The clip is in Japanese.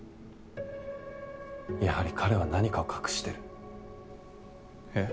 やはり彼は何かを隠してる。